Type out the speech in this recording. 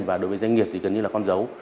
và đối với doanh nghiệp thì gần như là con dấu